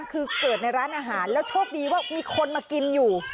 คือเกิดในร้านอาหารแล้วโชคดีว่ามีคนมากินอยู่